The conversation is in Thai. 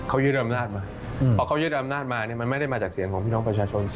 เขายึดอำนาจมาพอเขายึดอำนาจมาเนี่ยมันไม่ได้มาจากเสียงของพี่น้องประชาชน